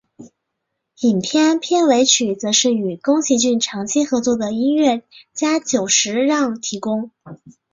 影片片尾曲则是与宫崎骏长期合作的音乐家久石让提供。